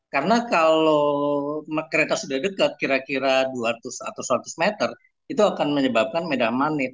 karena kalau kereta sudah dekat kira kira dua ratus atau seratus meter itu akan menyebabkan medan magnet